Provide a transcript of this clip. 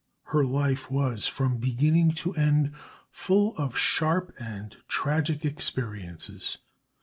Her life was from beginning to end full of sharp and tragic experiences.